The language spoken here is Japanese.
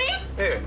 ええ。